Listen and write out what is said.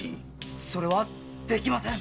それはできません！